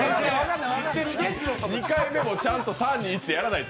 ２回目もちゃんと３、２ってやらないと。